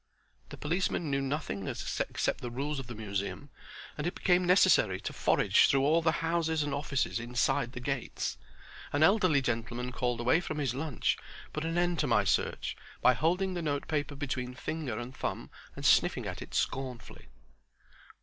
The policeman knew nothing except the rules of the Museum, and it became necessary to forage through all the houses and offices inside the gates. An elderly gentleman called away from his lunch put an end to my search by holding the note paper between finger and thumb and sniffing at it scornfully.